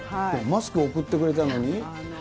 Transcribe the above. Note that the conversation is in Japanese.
マスク送ってくれたのに。